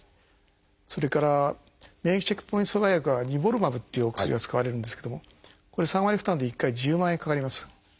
それから免疫チェックポイント阻害薬は「ニボルマブ」というお薬が使われるんですけどもこれ３割負担で１回１０万円かかります。